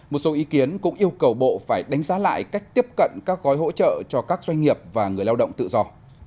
một số ý kiến cũng yêu cầu bộ phải đánh giá lại cách tiếp cận các gói hỗ trợ cho các doanh nghiệp và người lao động tự do